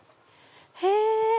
へぇ。